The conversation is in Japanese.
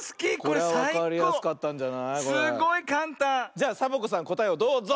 じゃサボ子さんこたえをどうぞ！